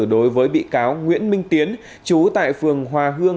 đối với bị cáo nguyễn minh tiến chú tại phường hòa hương